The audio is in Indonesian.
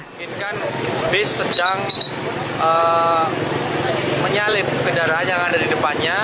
mungkin kan bus sedang menyalip kendaraan yang ada di depannya